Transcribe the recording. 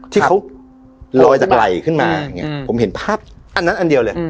ที่เขาลอยจากไหล่ขึ้นมาอย่างนี้ผมเห็นภาพอันนั้นอันเดียวเลย